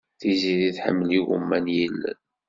Tiziri tḥemmel igumma n yilel.